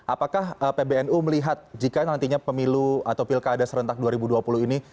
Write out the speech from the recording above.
apakah pbnu melihat jika nantinya pemilu atau pilkada serentak dua ribu dua puluh ini